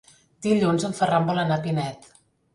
Dilluns en Ferran vol anar a Pinet.